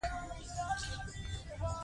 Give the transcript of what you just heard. ماشوم باید د خپل عمر سره سم مسوولیت واخلي.